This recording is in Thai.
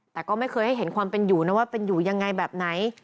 แต่ก็ไม่เคยให้เห็นความเป็นอยู่นะว่าเป็นอยู่ยังไงแบบไหน